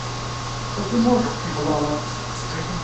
Acimi ur tceṭṭḥeḍ ara?